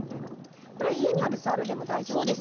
家にあるざるでも大丈夫ですか？